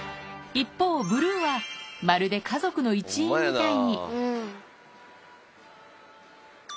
一方、ブルーは、まるで家族の一員みたいに。